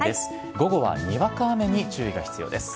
午後はにわか雨に注意が必要です。